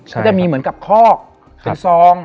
ก็จะมีเหมือนกับคอกเป็นซอง